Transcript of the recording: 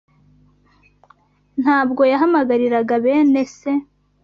ntabwo yahamagariraga bene se